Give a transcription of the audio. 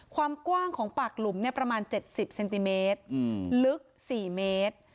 ความกว้างของปากหลุมเนี้ยประมาณเจ็ดสิบเซนติเมตรอืมลึกสี่เมตร